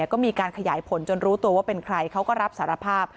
ก็มีการขยายผลจนรู้ตัวว่าเป็นใครเขาก็รับสารภาพ